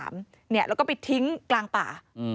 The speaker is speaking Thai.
แล้วก็ไปทิ้งกลางป่า